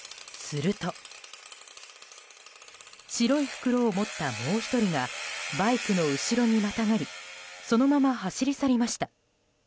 すると白い袋を持ったもう１人がバイクの後ろにまたがりそのまま走り去りました。